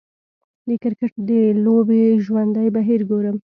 د کریکټ د لوبې ژوندی بهیر ګورم